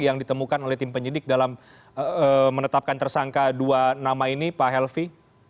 yang ditemukan oleh tim penyidik dalam menetapkan tersangka dua nama ini pak helvi